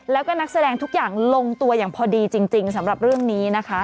แล้วก็นักแสดงทุกอย่างลงตัวอย่างพอดีจริงสำหรับเรื่องนี้นะคะ